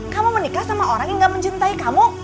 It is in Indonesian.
kamu menikah sama orang yang gak mencintai kamu